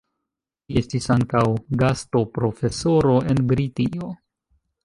Li estis ankaŭ gastoprofesoro en Britio.